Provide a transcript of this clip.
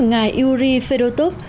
ngày yuri fedotov